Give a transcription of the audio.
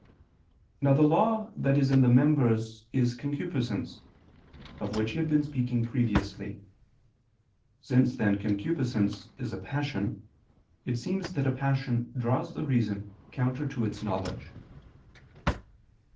Now the law that is in the members is concupiscence, of which he had been speaking previously. Since then concupiscence is a passion, it seems that a passion draws the reason counter to its knowledge.